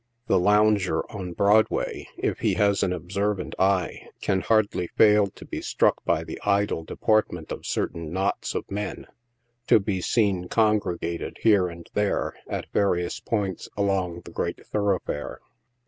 The lounger on Broadway, if he has an observant eye, can hardly fail to be struck by the idle de portment of certain knots of men, to be seen congregated here and there, at various points, aloug the great thoroughfare.